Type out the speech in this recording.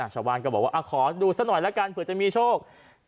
ชาวบ้านก็บอกว่าขอดูซะหน่อยละกันเผื่อจะมีโชค